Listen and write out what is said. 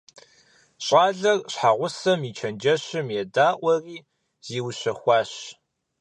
ЩӀалэр щхьэгъусэм и чэнджэщым едаӀуэри зиущэхуащ.